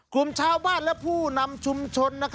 กลุ่มชาวบ้านและผู้นำชุมชน